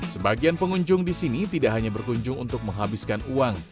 sebagian pengunjung di sini tidak hanya berkunjung untuk menghabiskan uang